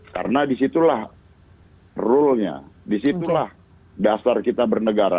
karena disitulah rulenya disitulah dasar kita bernegara